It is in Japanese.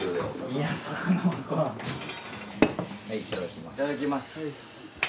いただきます。